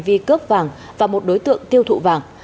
vi cướp vàng và một đối tượng tiêu thụ vàng